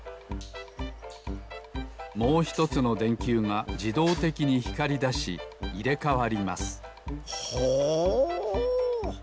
もうひとつのでんきゅうがじどうてきにひかりだしいれかわりますほお！